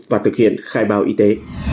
và thực hiện khai báo y tế